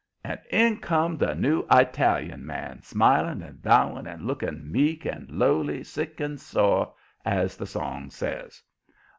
And in come the new Italian man, smiling and bowing and looking "meek and lowly, sick and sore," as the song says.